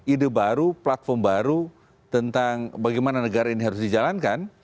ide baru platform baru tentang bagaimana negara ini harus dijalankan